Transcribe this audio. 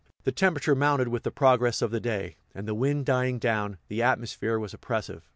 The temperature mounted with the progress of the day; and, the wind dying down, the atmosphere was oppressive.